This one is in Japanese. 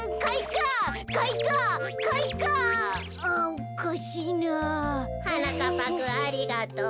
おかしいな？はなかっぱくんありがとう。